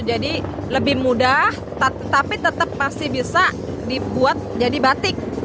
jadi lebih mudah tapi tetap pasti bisa dibuat jadi batik